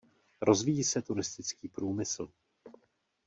Rozvíjí se turistický průmysl.